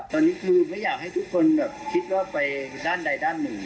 ตอนนี้คือไม่อยากให้ทุกคนแบบคิดว่าไปด้านใดด้านหนึ่ง